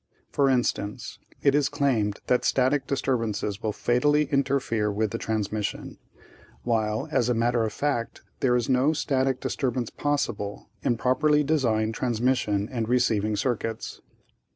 "For instance, it is claimed that static disturbances will fatally interfere with the transmission, while, as a matter of fact, there is no static disturbance possible in properly designed transmission and receiving circuits.